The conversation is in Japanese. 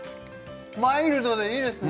マイルドでいいですね